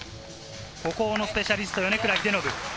孤高のスペシャリスト・米倉英信。